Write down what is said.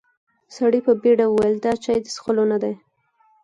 سړي په بيړه وويل: دا چای د څښلو نه دی.